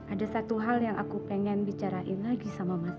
ada satu hal yang aku pengen bicarain lagi sama mas